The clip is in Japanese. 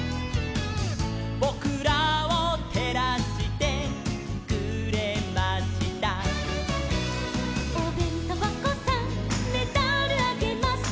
「ぼくらをてらしてくれました」「おべんとばこさんメダルあげます」